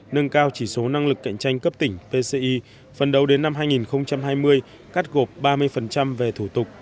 nâng cao chỉ số năng lực cạnh tranh cấp tỉnh pci phần đầu đến năm hai nghìn hai mươi cắt gộp ba mươi về thủ tục